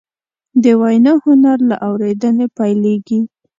د وینا هنر له اورېدنې پیلېږي